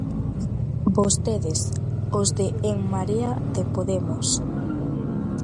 ¡Vostedes!, ¡os de En Marea de Podemos!